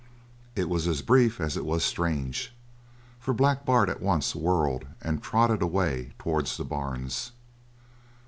It was as brief as it was strange, for Black Bart at once whirled and trotted away towards the barns.